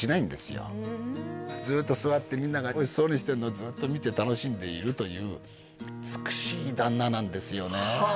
ずっと座ってみんながおいしそうにしてるのをずっと見て楽しんでいるという美しい旦那なんですよねはあ